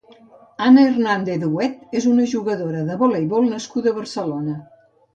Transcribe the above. Ana Hernández Huet és una jugadora de voleibol nascuda a Barcelona.